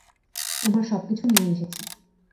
তোমার সবকিছু নিয়ে এসেছি।